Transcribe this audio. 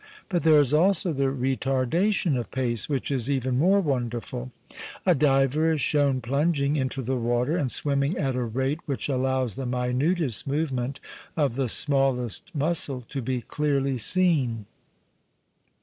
But there is also the retardation of pace, which is even more wonderful. A diver is shown plunging into the water and swimming at a rate which allows the minutest move ment of the smallest muscle to be clearly seen.